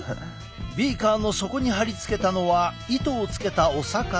ビーカーの底に貼り付けたのは糸をつけたお魚。